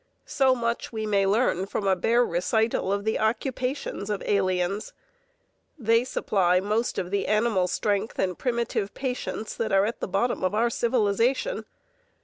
So much we may learn from a bare recital of the occupations of aliens. They supply most of the animal strength and primitive patience that are at the bottom of our civilization.